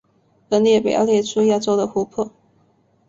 本列表列出亚洲的湖泊。